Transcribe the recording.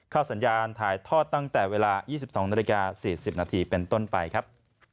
สัญญาณถ่ายทอดตั้งแต่เวลา๒๒นาฬิกา๔๐นาทีเป็นต้นไปครับ